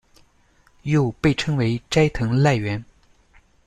又被称为斋藤赖元。